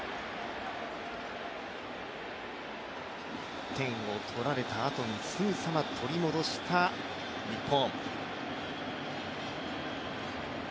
１点を取られたあとに、すぐさま取り戻した日本。